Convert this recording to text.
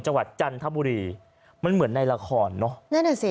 จังหวัดจันทบุรีมันเหมือนในละครเนอะนั่นแหละสิ